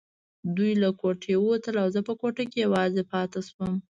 دوی له کوټې ووتل او زه په کوټه کې یوازې پاتې شوم.